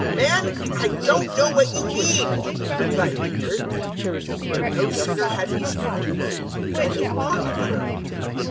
022:060 "Man, I don't know what you mean," replied Peter. No sooner had he spoken than a cock crowed.